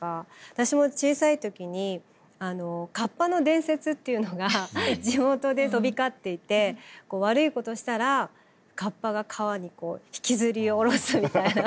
私も小さい時に河童の伝説っていうのが地元で飛び交っていて悪い事したら河童が川に引きずり下ろすみたいな。